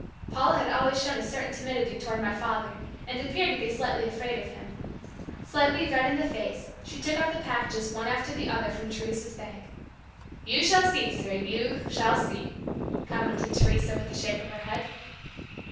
Paula had always shown a certain timidity toward my father, and appeared to be slightly afraid of him. Slightly red in the face, she took out the packages one after the other from Teresa's bag. "You shall see, sir. You shall see," commented Teresa, with a shake of her head.